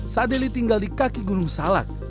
saad dili tinggal di kaki gunung salak